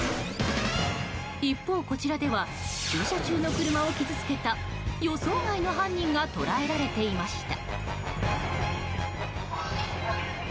一方、こちらでは駐車中の車を傷つけた予想外の犯人が捉えられていました。